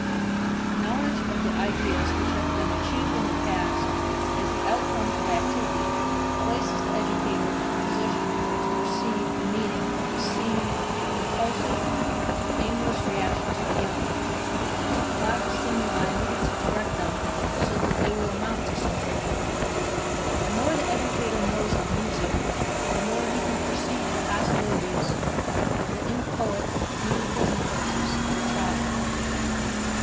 (ii) A knowledge of the ideas which have been achieved in the past as the outcome of activity places the educator in a position to perceive the meaning of the seeming impulsive and aimless reactions of the young, and to provide the stimuli needed to direct them so that they will amount to something. The more the educator knows of music the more he can perceive the possibilities of the inchoate musical impulses of a child.